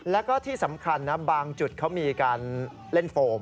แล้วก็ที่สำคัญนะบางจุดเขามีการเล่นโฟม